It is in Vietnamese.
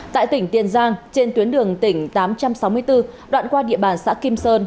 tại tỉnh tiền giang trên tuyến đường tỉnh tám trăm sáu mươi bốn đoạn qua địa bàn xã kim sơn